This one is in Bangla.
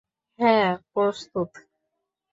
হ্যাঁ, প্রস্তুত!